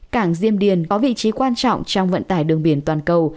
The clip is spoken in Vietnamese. cảng diêm điền có vị trí quan trọng trong vận tải đường biển toàn cầu